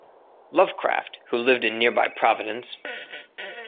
Lovecraft, who lived in nearby Providence.